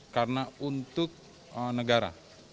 karena untuk negara